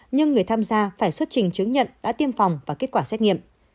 nhưng người tham gia phải xuất trình chứng nhận đã tiêm phòng và kết quả xét nghiệm